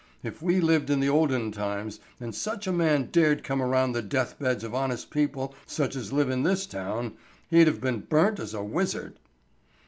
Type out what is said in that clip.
If we lived in the olden times and such a man dared come around the death beds of honest people such as live in this town, he'd have been burnt as a wizard."